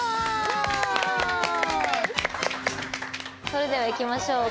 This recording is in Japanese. それではいきましょう。